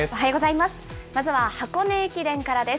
まずは箱根駅伝からです。